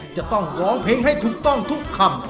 จะต้องร้องเพลงให้ถูกต้องทุกคำ